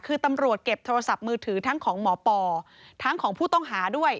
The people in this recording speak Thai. คือตำรวจเก็บโทรศัพท์มือถือทั้งของหมอปอทั้งของผู้ต้องหาด้วย